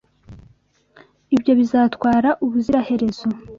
Ibyo bizatwara ubuziraherezo.